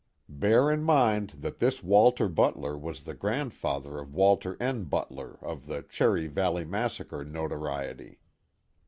(Bear in mind that this Walter Butler was the grandfather of Walter N. Butler, of the Cherry Valley massacre notoriety.)